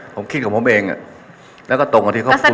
ผมคิดของผมเองแล้วก็ตรงกับที่เขาคุณบอกว่า